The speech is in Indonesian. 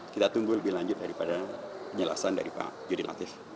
kita tunggu lebih lanjut daripada penjelasan dari pak yudi latif